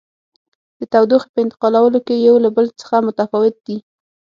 د تودوخې په انتقالولو کې یو له بل څخه متفاوت دي.